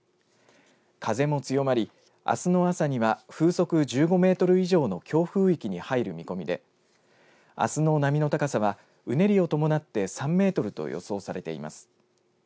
風も強まり、あすの朝には風速１５メートル以上の強風域に入る見込みであすの波の高さはうねりを伴って３メートルと予想されています。